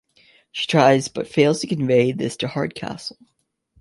She tries but fails to convey this to Hardcastle.